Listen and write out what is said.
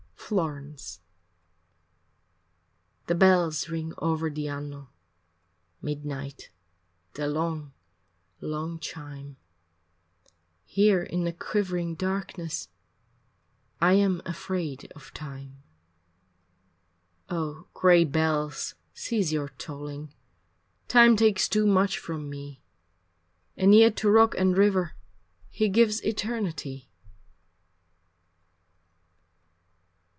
VIII Florence The bells ring over the Anno, Midnight, the long, long chime; Here in the quivering darkness I am afraid of time. Oh, gray bells cease your tolling, Time takes too much from me, And yet to rock and river He gives eternity.